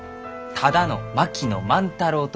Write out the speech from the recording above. ただの槙野万太郎か。